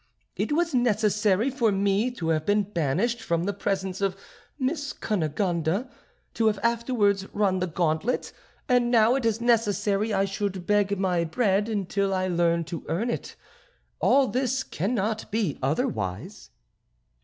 It was necessary for me to have been banished from the presence of Miss Cunegonde, to have afterwards run the gauntlet, and now it is necessary I should beg my bread until I learn to earn it; all this cannot be otherwise."